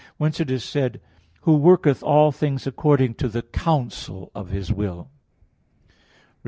Whence it is said: "Who worketh all things according to the counsel of His will" (Eph.